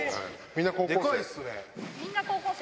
みんな高校生？